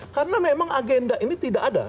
karena memang agenda ini tidak ada